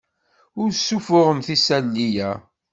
Ur ssuffuɣemt isali-a.